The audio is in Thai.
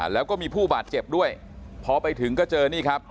แล้วก็มีผู้บาดเจ็บด้วยพอไปถึงก็เจอนี่ครับ